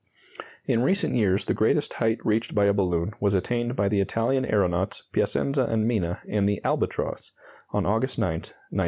In recent years the greatest height reached by a balloon was attained by the Italian aeronauts Piacenza and Mina in the "Albatross," on August 9, 1909.